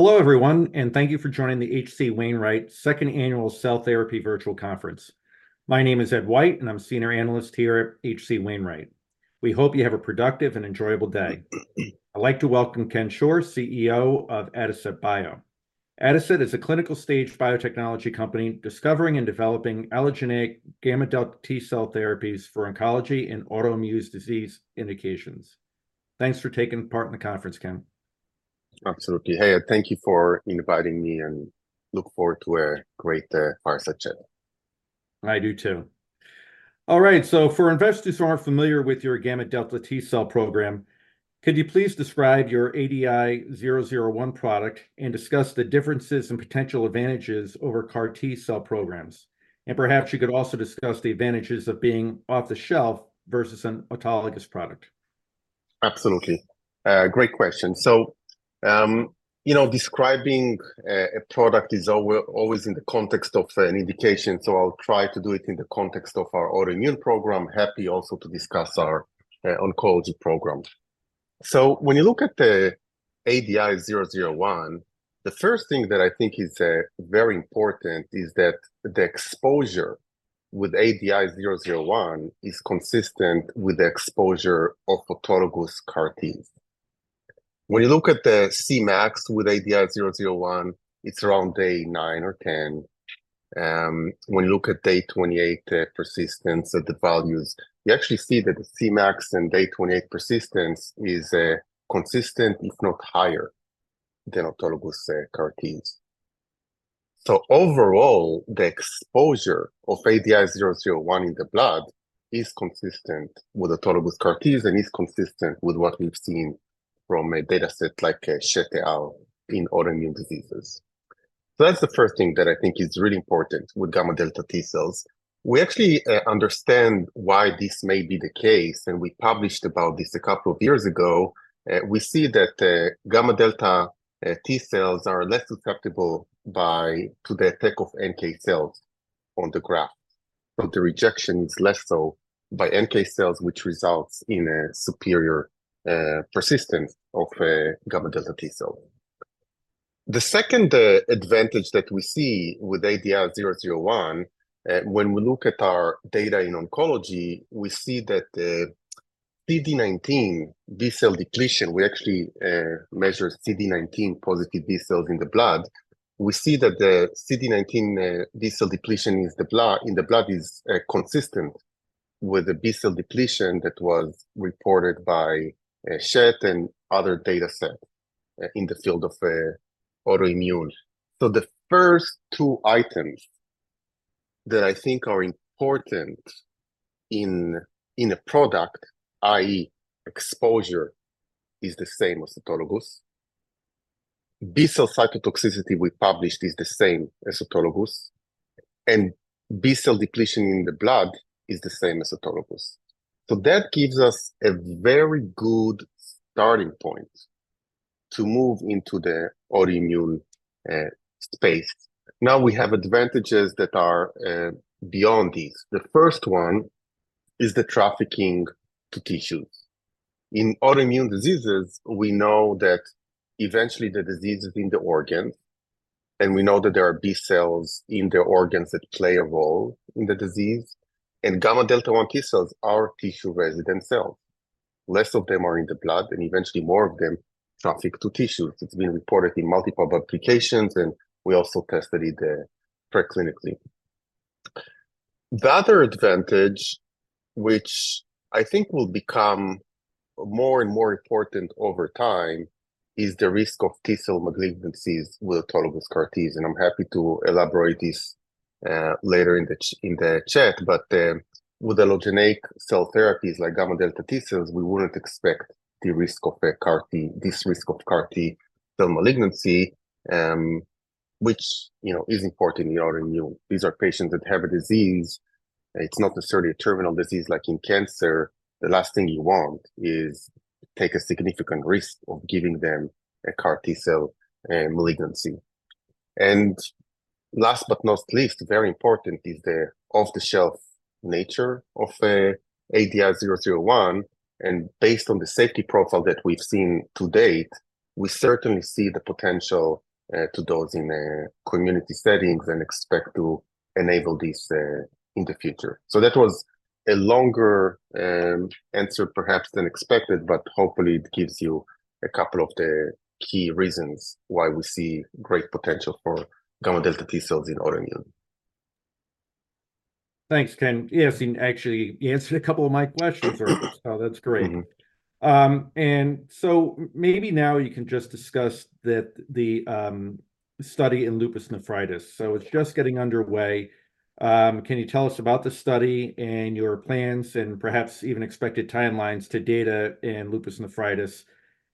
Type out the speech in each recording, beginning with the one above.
Hello, everyone, and thank you for joining the H.C. Wainwright second annual Cell Therapy Virtual Conference. My name is Ed White, and I'm senior analyst here at H.C. Wainwright. We hope you have a productive and enjoyable day. I'd like to welcome Chen Schor, CEO of Adicet Bio. Adicet is a clinical stage biotechnology company, discovering and developing allogeneic gamma delta T cell therapies for oncology and autoimmune disease indications. Thanks for taking part in the conference, Chen. Absolutely. Hey, thank you for inviting me, and look forward to a great research chat. I do, too. All right, so for investors who aren't familiar with your gamma delta T cell program, could you please describe your ADI-001 product and discuss the differences and potential advantages over CAR T cell programs? And perhaps you could also discuss the advantages of being off the shelf versus an autologous product. Absolutely. Great question. So, you know, describing a product is always in the context of an indication, so I'll try to do it in the context of our autoimmune program. Happy also to discuss our oncology programs. So when you look at the ADI-001, the first thing that I think is very important is that the exposure with ADI-001 is consistent with the exposure of autologous CAR T. When you look at the Cmax with ADI-001, it's around day 9 or 10. When you look at day 28, persistence of the values, you actually see that the Cmax and day 28 persistence is consistent, if not higher, than autologous CAR Ts. So overall, the exposure of ADI-001 in the blood is consistent with autologous CAR Ts and is consistent with what we've seen from a data set like Schett et al. in autoimmune diseases. So that's the first thing that I think is really important with gamma delta T cells. We actually understand why this may be the case, and we published about this a couple of years ago. We see that the gamma delta T cells are less susceptible to the attack of NK cells on the graft, but the rejection is less so by NK cells, which results in a superior persistence of gamma delta T cell. The second advantage that we see with ADI-001, when we look at our data in oncology, we see that the CD19 B cell depletion, we actually measure CD19 positive B cells in the blood. We see that the CD19 B cell depletion in the blood is consistent with the B cell depletion that was reported by Schett and other data set in the field of autoimmune. So the first two items that I think are important in a product, i.e., exposure, is the same as autologous. B cell cytotoxicity we published is the same as autologous, and B cell depletion in the blood is the same as autologous. So that gives us a very good starting point to move into the autoimmune space. Now, we have advantages that are beyond these. The first one is the trafficking to tissues. In autoimmune diseases, we know that eventually the disease is in the organ, and we know that there are B cells in the organs that play a role in the disease, and gamma delta T cells are tissue-resident cells. Less of them are in the blood, and eventually, more of them traffic to tissues. It's been reported in multiple publications, and we also tested it preclinically. The other advantage, which I think will become more and more important over time, is the risk of T cell malignancies with autologous CAR Ts, and I'm happy to elaborate this later in the chat. But with allogeneic cell therapies like gamma delta T cells, we wouldn't expect the risk of a CAR T, this risk of CAR T cell malignancy, which, you know, is important in autoimmune. These are patients that have a disease, it's not necessarily a terminal disease like in cancer. The last thing you want is take a significant risk of giving them a CAR T-cell malignancy. And last but not least, very important is the off-the-shelf nature of ADI-001, and based on the safety profile that we've seen to date, we certainly see the potential to those in the community settings and expect to enable this in the future. So that was a longer answer, perhaps than expected, but hopefully, it gives you a couple of the key reasons why we see great potential for gamma delta T cells in autoimmune. Thanks, Chen. Yes, and actually, you answered a couple of my questions earlier, so that's great. So maybe now you can just discuss the study in lupus nephritis. It's just getting underway. Can you tell us about the study and your plans and perhaps even expected timelines to data in lupus nephritis?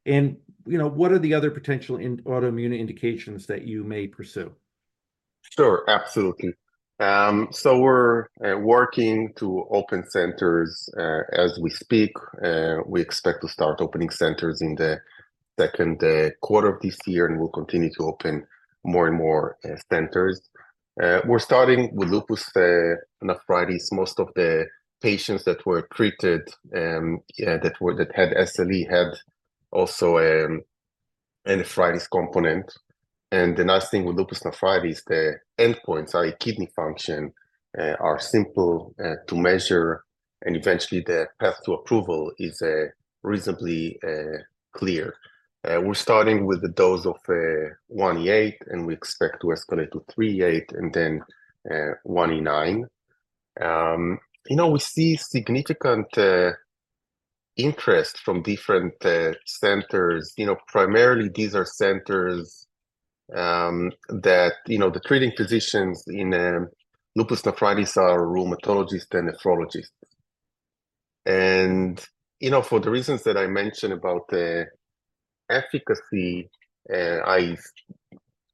You know, what are the other potential in autoimmune indications that you may pursue? Sure, absolutely. So we're working to open centers as we speak. We expect to start opening centers in the second quarter of this year, and we'll continue to open more and more centers. We're starting with lupus nephritis. Most of the patients that were treated, yeah, that had SLE had also and nephritis component. And the nice thing with lupus nephritis, the endpoints, i.e., kidney function, are simple to measure, and eventually, the path to approval is reasonably clear. We're starting with a dose of 1e8, and we expect to escalate to 3e8, and then 1e9. You know, we see significant interest from different centers. You know, primarily these are centers, that, you know, the treating physicians in, lupus nephritis are rheumatologists and nephrologists. And, you know, for the reasons that I mentioned about the efficacy, i.e.,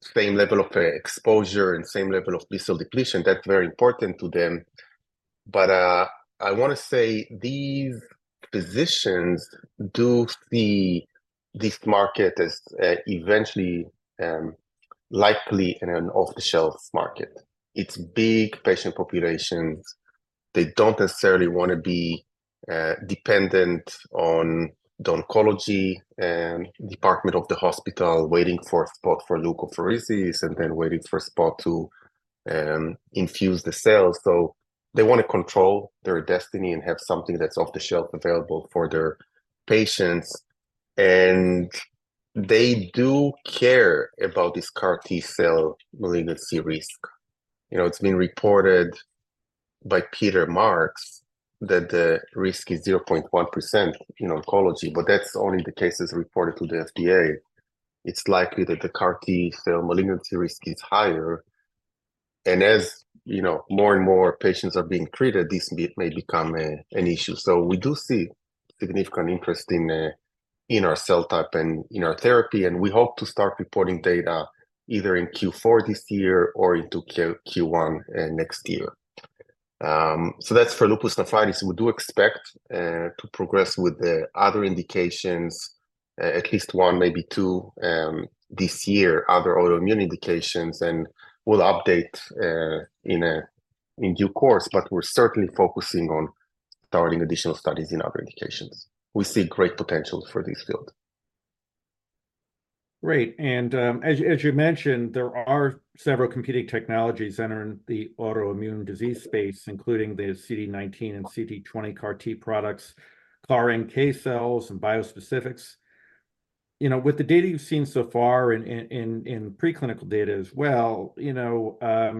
same level of, exposure and same level of B cell depletion, that's very important to them. But, I want to say, these physicians do see this market as, eventually, likely in an off-the-shelf market. It's big patient populations. They don't necessarily want to be, dependent on the oncology and department of the hospital, waiting for a spot for leukapheresis, and then waiting for a spot to, infuse the cells. So they want to control their destiny and have something that's off the shelf available for their patients, and they do care about this CAR T-cell malignancy risk. You know, it's been reported by Peter Marks that the risk is 0.1% in oncology, but that's only the cases reported to the FDA. It's likely that the CAR T-cell malignancy risk is higher, and as, you know, more and more patients are being treated, this may become an issue. So we do see significant interest in our cell type and in our therapy, and we hope to start reporting data either in Q4 this year or into Q1 next year. So that's for lupus nephritis. We do expect to progress with the other indications, at least one, maybe two, this year, other autoimmune indications, and we'll update in due course. But we're certainly focusing on starting additional studies in other indications. We see great potential for this field. Great, and as you mentioned, there are several competing technologies entering the autoimmune disease space, including the CD19 and CD20 CAR T products, CAR NK cells, and bispecifics. You know, with the data you've seen so far in preclinical data as well, you know,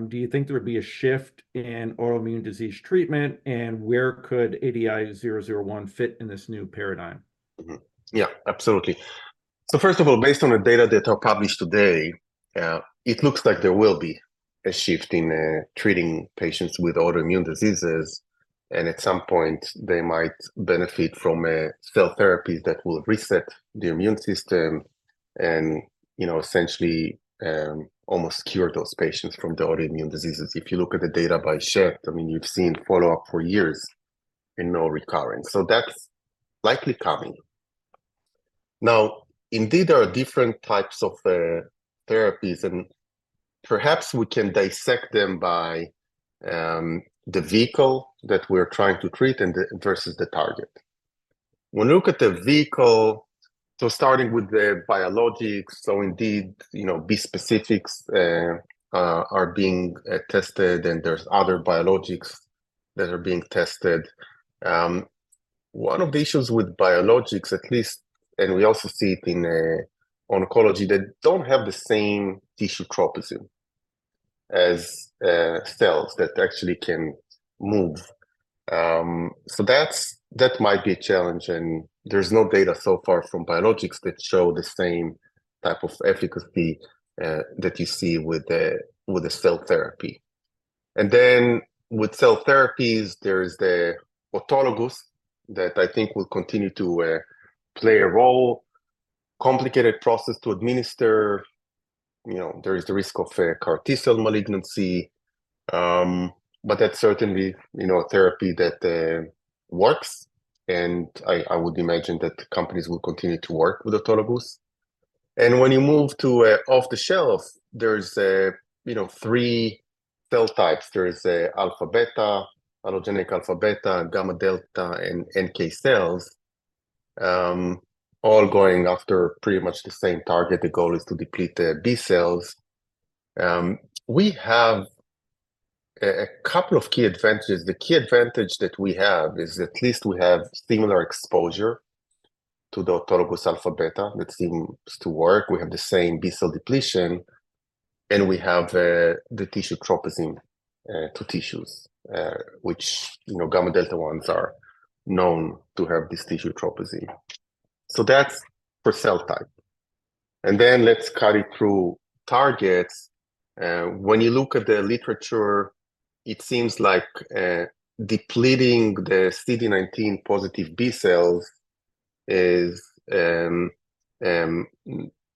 do you think there would be a shift in autoimmune disease treatment, and where could ADI-001 fit in this new paradigm? Mm-hmm. Yeah, absolutely. So first of all, based on the data that are published today, it looks like there will be a shift in treating patients with autoimmune diseases, and at some point, they might benefit from a cell therapy that will reset the immune system and, you know, essentially, almost cure those patients from the autoimmune diseases. If you look at the data by Schett, I mean, you've seen follow-up for years and no recurrence, so that's likely coming. Now, indeed, there are different types of therapies, and perhaps we can dissect them by the vehicle that we're trying to treat and the, versus the target. When you look at the vehicle, so starting with the biologics, so indeed, you know, these bispecifics are being tested, and there's other biologics that are being tested. One of the issues with biologics, at least, and we also see it in oncology, they don't have the same tissue tropism as cells that actually can move. So that's, that might be a challenge, and there's no data so far from biologics that show the same type of efficacy that you see with the, with the cell therapy. And then with cell therapies, there's the autologous that I think will continue to play a role. Complicated process to administer. You know, there is the risk of CAR T cell malignancy, but that's certainly, you know, a therapy that works, and I, I would imagine that companies will continue to work with autologous. And when you move to off-the-shelf, there's a, you know, three cell types. There is a alpha beta, allogeneic alpha beta, gamma delta, and NK cells, all going after pretty much the same target. The goal is to deplete the B cells. We have a couple of key advantages. The key advantage that we have is at least we have similar exposure to the autologous alpha beta, which seems to work. We have the same B cell depletion, and we have the tissue tropism to tissues, which, you know, gamma delta ones are known to have this tissue tropism. So that's for cell type. And then let's cut it through targets. When you look at the literature, it seems like depleting the CD19 positive B cells is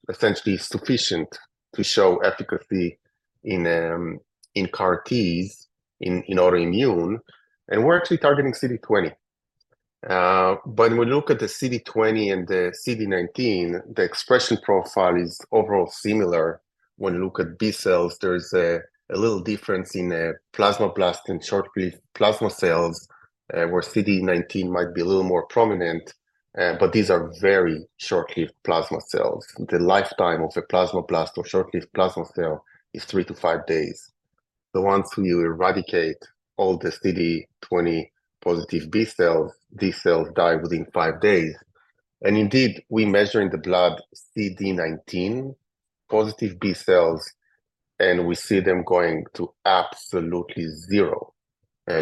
essentially sufficient to show efficacy in CAR Ts, in autoimmune, and we're actually targeting CD20. But when we look at the CD20 and the CD19, the expression profile is overall similar. When you look at B cells, there's a little difference in the plasmablast and short-lived plasma cells, where CD19 might be a little more prominent, but these are very short-lived plasma cells. The lifetime of a plasmablast or short-lived plasma cell is 3-5 days. So once you eradicate all the CD20 positive B cells, these cells die within 5 days, and indeed, we measure in the blood CD19 positive B cells, and we see them going to absolutely 0,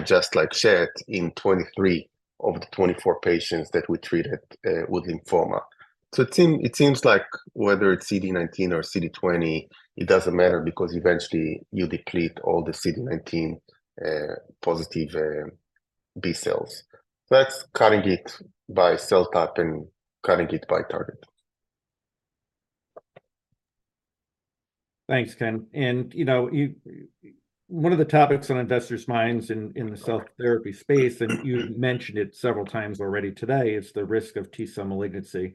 just as in 23 of the 24 patients that we treated with lymphoma. So it seems like whether it's CD19 or CD20, it doesn't matter because eventually, you deplete all the CD19 positive B cells. That's cutting it by cell type and cutting it by target. Thanks, Chen. You know, one of the topics on investors' minds in the cell therapy space, and you mentioned it several times already today, is the risk of T-cell malignancy.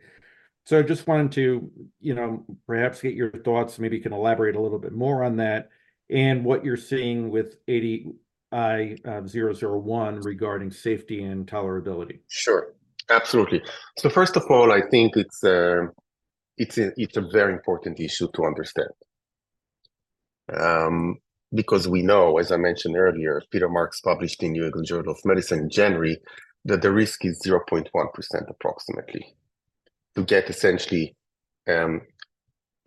So I just wanted to, you know, perhaps get your thoughts, maybe you can elaborate a little bit more on that, and what you're seeing with ADI-001 regarding safety and tolerability. Sure. Absolutely. So first of all, I think it's a very important issue to understand. Because we know, as I mentioned earlier, Peter Marks published in New England Journal of Medicine in January, that the risk is 0.1% approximately, to get essentially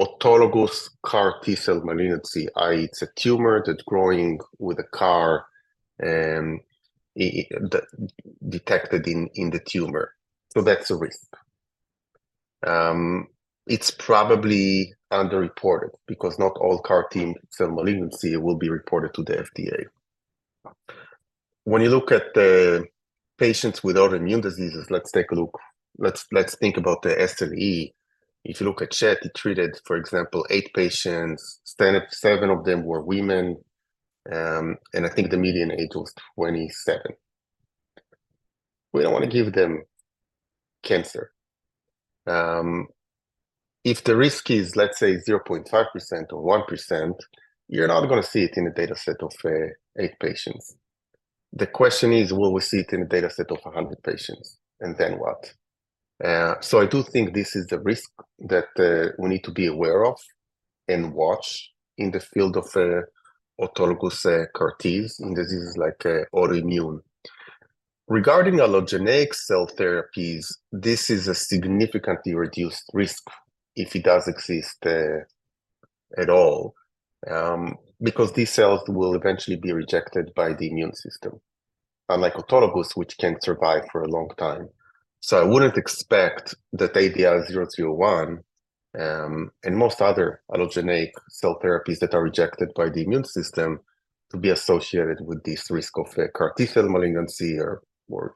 autologous CAR T cell malignancy, i.e., it's a tumor that's growing with a CAR that detected in the tumor. So that's a risk. It's probably underreported because not all CAR T cell malignancy will be reported to the FDA. When you look at the patients with autoimmune diseases, let's take a look. Let's think about the SLE. If you look at Schett, he treated, for example, 8 patients, 7, 7 of them were women, and I think the median age was 27. We don't wanna give them cancer. If the risk is, let's say, 0.5% or 1%, you're not gonna see it in a data set of 8 patients. The question is, will we see it in a data set of 100 patients, and then what? So I do think this is the risk that we need to be aware of and watch in the field of autologous CAR T's in diseases like autoimmune. Regarding allogeneic cell therapies, this is a significantly reduced risk if it does exist at all, because these cells will eventually be rejected by the immune system, unlike autologous, which can survive for a long time. So I wouldn't expect that ADI-001 and most other allogeneic cell therapies that are rejected by the immune system to be associated with this risk of CAR T-cell malignancy, or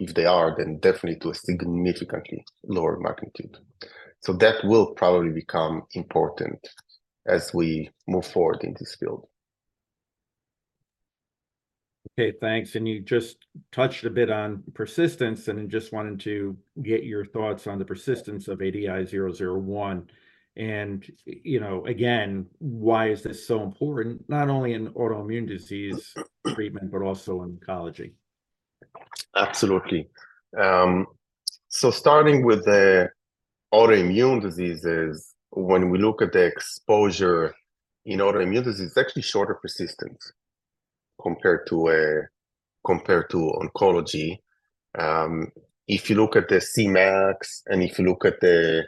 if they are, then definitely to a significantly lower magnitude. So that will probably become important as we move forward in this field. Okay, thanks. You just touched a bit on persistence, and I just wanted to get your thoughts on the persistence of ADI-001. You know, again, why is this so important, not only in autoimmune disease treatment, but also in oncology? Absolutely. So starting with the autoimmune diseases, when we look at the exposure in autoimmune disease, it's actually shorter persistence compared to compared to oncology. If you look at the Cmax, and if you look at the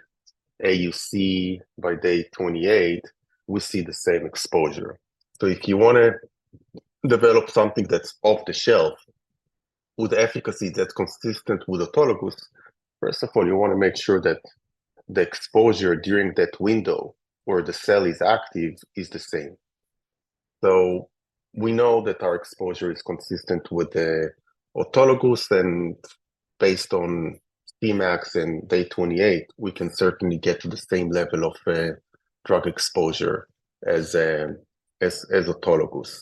AUC by day 28, we see the same exposure. So if you wanna develop something that's off the shelf with efficacy that's consistent with autologous, first of all, you wanna make sure that the exposure during that window where the cell is active is the same. So we know that our exposure is consistent with the autologous, and based on Cmax and day 28, we can certainly get to the same level of drug exposure as autologous.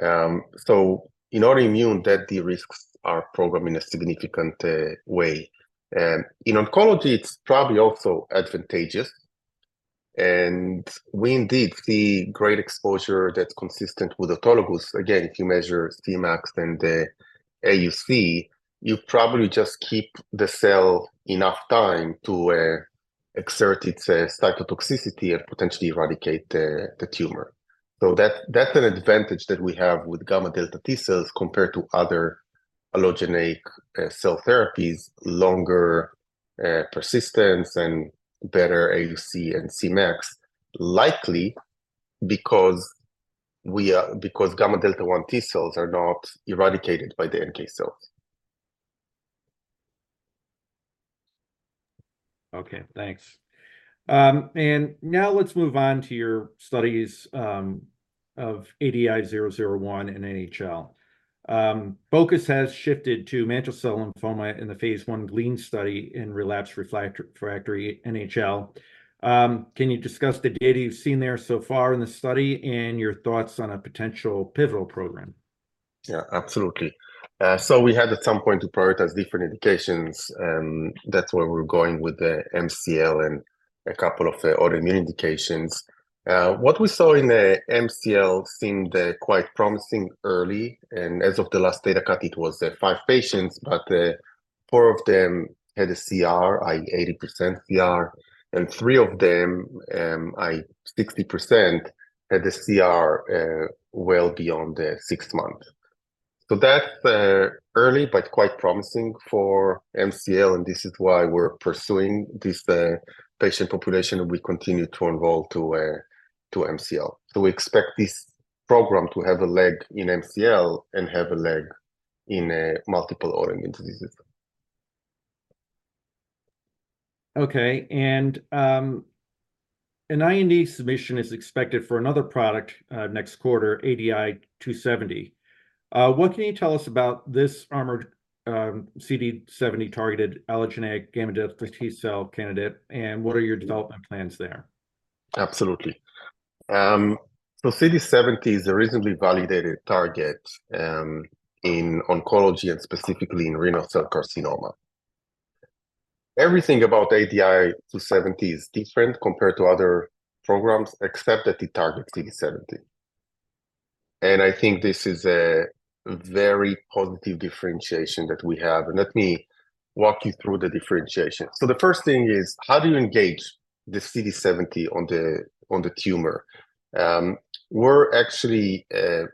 So in autoimmune, that de-risks our program in a significant way. In oncology, it's probably also advantageous, and we indeed see great exposure that's consistent with autologous. Again, if you measure Cmax and the AUC, you probably just keep the cell enough time to exert its cytotoxicity and potentially eradicate the tumor. So that's an advantage that we have with gamma delta T cells compared to other allogeneic cell therapies, longer persistence and better AUC and Cmax, likely because gamma delta T cells are not eradicated by the NK cells. Okay, thanks. And now let's move on to your studies of ADI-001 and NHL. Focus has shifted to mantle cell lymphoma in the Phase 1 GLEAN study in relapse/refractory NHL. Can you discuss the data you've seen there so far in the study and your thoughts on a potential pivotal program?... Yeah, absolutely. So we had at some point to prioritize different indications, and that's where we're going with the MCL and a couple of the autoimmune indications. What we saw in the MCL seemed quite promising early, and as of the last data cut, it was 5 patients, but 4 of them had a CR, i.e., 80% CR, and 3 of them, 60%, had a CR well beyond the sixth month. So that's early, but quite promising for MCL, and this is why we're pursuing this patient population, and we continue to enroll to MCL. So we expect this program to have a leg in MCL and have a leg in multiple autoimmune diseases. Okay, and an IND submission is expected for another product, next quarter, ADI-270. What can you tell us about this armored, CD70-targeted allogeneic gamma delta T cell candidate, and what are your development plans there? Absolutely. So CD70 is a recently validated target in oncology, and specifically in renal cell carcinoma. Everything about ADI-270 is different compared to other programs, except that it targets CD70, and I think this is a very positive differentiation that we have, and let me walk you through the differentiation. So the first thing is, how do you engage the CD70 on the tumor? We're actually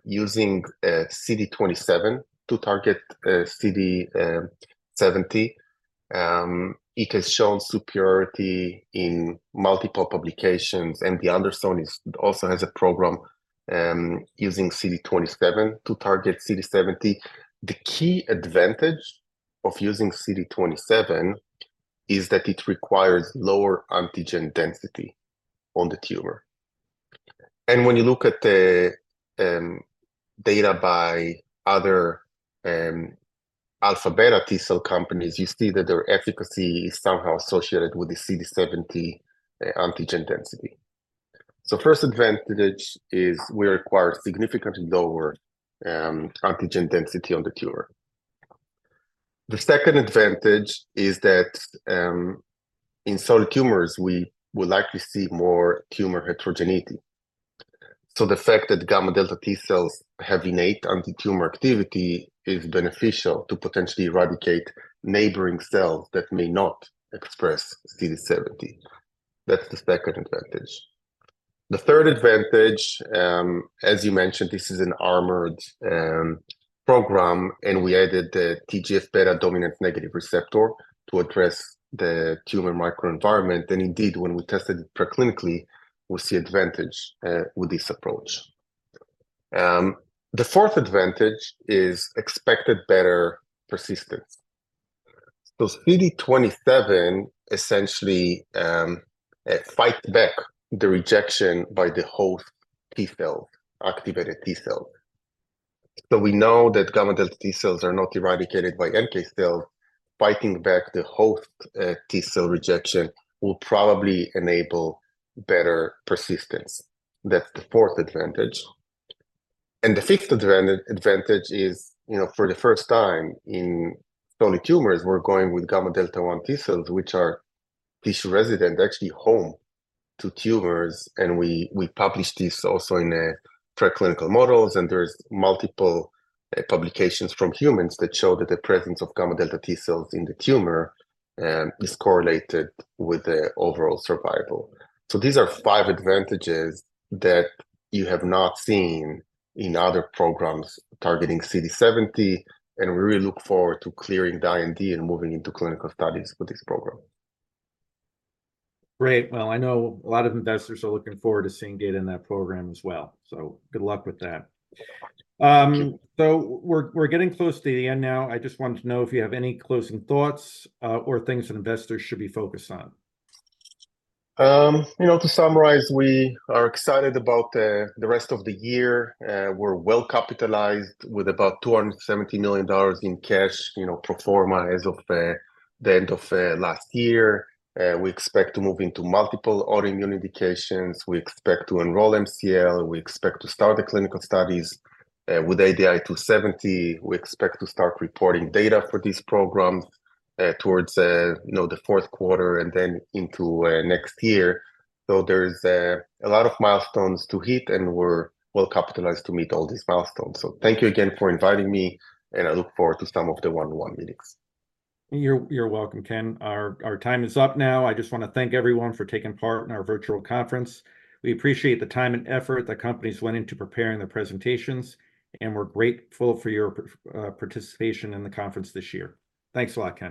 using CD27 to target CD70. It has shown superiority in multiple publications, and the Allogene also has a program using CD27 to target CD70. The key advantage of using CD27 is that it requires lower antigen density on the tumor. And when you look at the data by other alpha/beta T cell companies, you see that their efficacy is somehow associated with the CD70 antigen density. So first advantage is we require significantly lower antigen density on the tumor. The second advantage is that in solid tumors, we would like to see more tumor heterogeneity. So the fact that gamma delta T cells have innate anti-tumor activity is beneficial to potentially eradicate neighboring cells that may not express CD70. That's the second advantage. The third advantage, as you mentioned, this is an armored program, and we added the TGF-beta dominant negative receptor to address the tumor microenvironment, and indeed, when we tested it pre-clinically, we see advantage with this approach. The fourth advantage is expected better persistence. So CD27 essentially fights back the rejection by the host T cell, activated T cell. So we know that gamma delta T cells are not eradicated by NK cells. Fighting back the host T cell rejection will probably enable better persistence. That's the fourth advantage. The fifth advantage is, you know, for the first time in solid tumors, we're going with gamma delta one T cells, which are tissue-resident, actually home to tumors, and we published this also in pre-clinical models, and there's multiple publications from humans that show that the presence of gamma delta T cells in the tumor is correlated with the overall survival. These are five advantages that you have not seen in other programs targeting CD70, and we really look forward to clearing the IND and moving into clinical studies with this program. Great. Well, I know a lot of investors are looking forward to seeing data in that program as well, so good luck with that. Thank you. We're getting close to the end now. I just wanted to know if you have any closing thoughts, or things that investors should be focused on? You know, to summarize, we are excited about the rest of the year. We're well-capitalized with about $270 million in cash, you know, pro forma as of the end of last year. We expect to move into multiple autoimmune indications. We expect to enroll MCL. We expect to start the clinical studies. With ADI-270, we expect to start reporting data for these programs towards you know, the fourth quarter and then into next year. So there's a lot of milestones to hit, and we're well-capitalized to meet all these milestones. So thank you again for inviting me, and I look forward to some of the one-on-one meetings. You're welcome, Chen. Our time is up now. I just wanna thank everyone for taking part in our virtual conference. We appreciate the time and effort that companies went into preparing their presentations, and we're grateful for your participation in the conference this year. Thanks a lot, Chen.